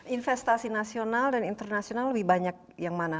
investasi nasional dan internasional lebih banyak yang mana